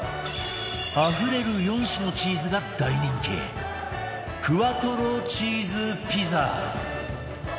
あふれる４種のチーズが大人気クワトロチーズピザ